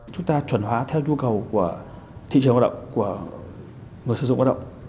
chúng ta chuẩn hóa theo nhu cầu của thị trường lao động của người sử dụng lao động